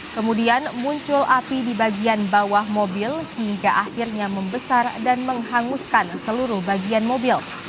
kemudian muncul api di bagian bawah mobil hingga akhirnya membesar dan menghanguskan seluruh bagian mobil